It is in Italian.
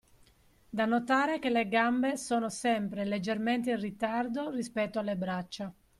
Da notare che le gambe sono sempre leggermente in ritardo rispetto alle braccia